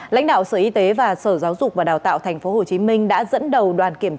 lãnh đạo sở y tế và sở giáo dục và đào tạo tp hcm đã dẫn đầu đoàn kiểm tra